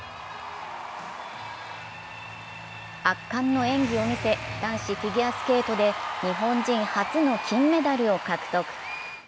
圧巻の演技を見せ、男子フィギュアスケートで日本人初の金メダルを獲得。